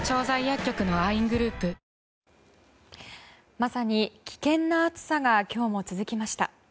まさに危険な暑さが今日も続きました。